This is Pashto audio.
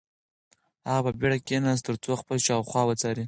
هغه په بېړه کښېناست ترڅو خپل شاوخوا وڅاري.